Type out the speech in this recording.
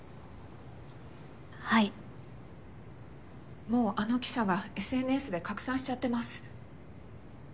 はい・もうあの記者がＳＮＳで拡散しちゃってます